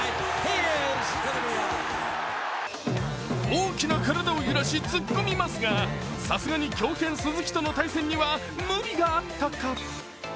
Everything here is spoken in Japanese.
大きな体を揺らし突っ込みますが、さすがに強肩・鈴木との対戦には無理があったか？